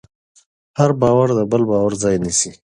هر باور د بل باور ځای نيسي.